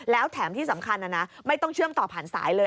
แล้วแถมที่สำคัญนะนะไม่ต้องเชื่อมต่อผ่านสายเลย